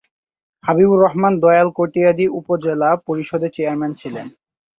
হাবিবুর রহমান দয়াল কটিয়াদী উপজেলা উপজেলা পরিষদের চেয়ারম্যান ছিলেন।